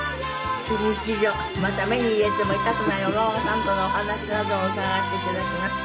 また目に入れても痛くないお孫さんとのお話などを伺わせて頂きます。